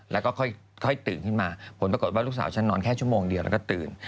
แล้วก็ค่อยตื่นขึ้นมาผลปรากฏว่าลูกสาวฉันนอนแค่ชั่วโมงเดียวแล้วก็ตื่น